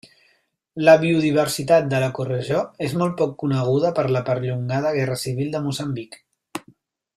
La biodiversitat de l'ecoregió és molt poc coneguda per la perllongada guerra civil de Moçambic.